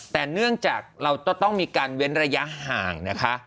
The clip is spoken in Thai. แต่เนื่องจากเราต้องมีการเว้นระยะห่างนะคะ